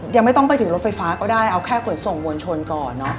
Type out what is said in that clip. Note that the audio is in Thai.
ยังไม่ต้องไปถึงรถไฟฟ้าก็ได้เอาแค่ขนส่งมวลชนก่อนเนอะ